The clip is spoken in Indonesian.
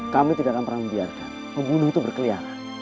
kami tidak akan pernah membiarkan pembunuh itu berkeliaran